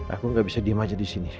aku gak bisa diem aja disini